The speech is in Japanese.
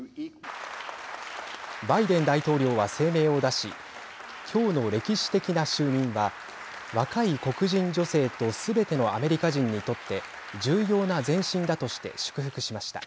バイデン大統領は、声明を出しきょうの歴史的な就任は若い黒人女性とすべてのアメリカ人にとって重要な前進だとして祝福しました。